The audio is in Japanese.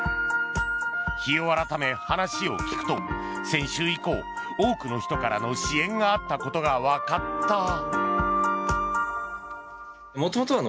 日を改め、話を聞くと先週以降多くの人からの支援があったことがわかった。